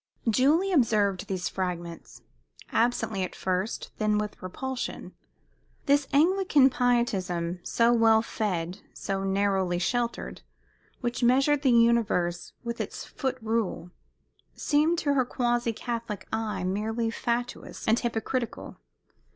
Julie observed these fragments, absently at first, then with repulsion. This Anglican pietism, so well fed, so narrowly sheltered, which measured the universe with its foot rule, seemed to her quasi Catholic eye merely fatuous and hypocritical.